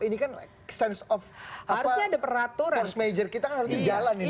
ini kan sense of force major kita harus di jalan ini